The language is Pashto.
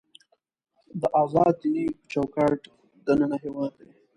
د ازاد دینۍ په چوکاټ دننه هېواد دی.